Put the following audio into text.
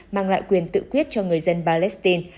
mang lại quyền tự quyết cho người dân palestine